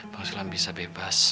bang sulam bisa bebas